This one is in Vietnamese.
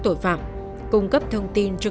tội phạm cung cấp thông tin cho